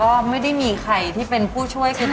การที่บูชาเทพสามองค์มันทำให้ร้านประสบความสำเร็จ